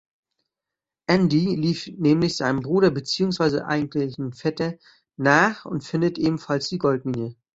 Andy lief nämlich seinem Bruder beziehungsweise eigentlich Vetter nach und findet ebenfalls die Goldmine.